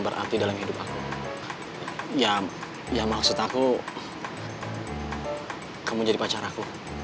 mendingan kita makan dulu aja di dalam